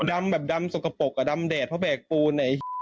ดำแบบดำสกปรกอ่ะดำแดดเพราะแบกปูไหน